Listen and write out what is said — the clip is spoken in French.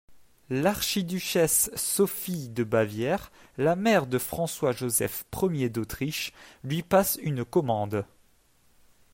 L'archiduchesse Sophie de Bavière, la mère de François-Joseph Ier d'Autriche, lui passe une commande.